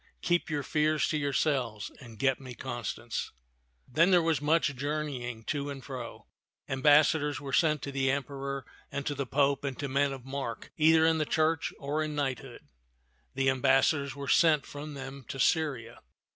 Keep your fears to yourselves and get me Constance." Then there was much journeying to and fro. Am bassadors were sent to the Emperor and to the Pope and to men of mark either in the church or in knight hood ; and ambassadors were sent from them to Syria.